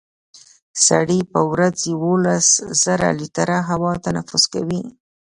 سږي په ورځ یوولس زره لیټره هوا تنفس کوي.